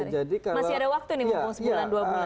masih ada waktu nih mumpung sebulan dua bulan